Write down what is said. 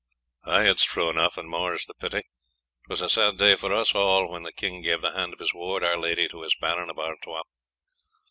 "Ay, it is true enough, and more is the pity; it was a sad day for us all when the king gave the hand of his ward, our lady, to this baron of Artois."